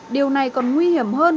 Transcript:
điều này còn nguy hiểm hơn